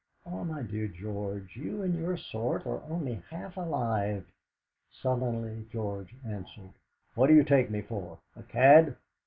"Ah, my dear George, you and your sort are only half alive!" Sullenly George answered: "What do you take me for? A cad?"